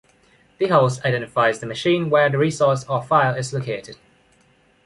The host identifies the machine where the resource or file is located.